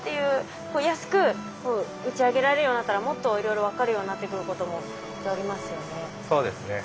安く打ち上げられるようになったらもっといろいろ分かるようになってくることもきっとありますよね。